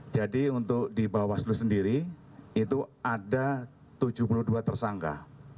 jadi untuk di bawaslu sendiri itu ada tujuh puluh dua tersangka